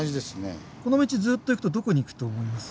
この道ずっと行くとどこに行くと思います？